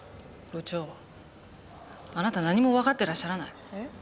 部長あなた何も分かってらっしゃらない。